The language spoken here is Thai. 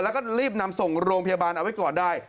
แล้วก็รีบนำส่งโรงพยาบาลเอาไว้ก่อนได้